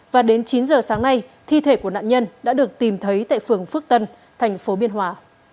và đến chín giờ sáng nay thi thể của nạn nhân đã được tìm thấy tại phường phước tân thành phố biên hòa